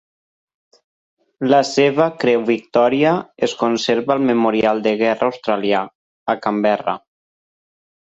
La seva Creu Victòria es conserva al Memorial de Guerra Australià, a Canberra.